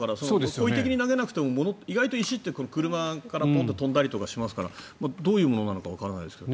意図的に投げなくても意外と石って車からポンと飛んだりしますからどういうものなのかわからないですが。